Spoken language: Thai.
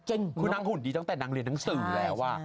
คือนางหุ่นดีตั้งแต่นางเรียนหนังสือแล้ว